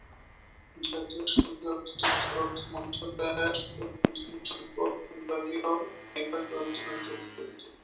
জাতীয় সঞ্চয় অধিদপ্তর অর্থ মন্ত্রণালয়ের অভ্যন্তরীণ সম্পদ বিভাগের অধীনস্থ একটি অধিদপ্তর।